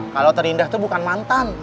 kalo terindah tuh bukan mantan